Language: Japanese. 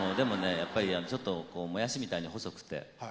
やっぱりちょっとこうモヤシみたいに細くてで。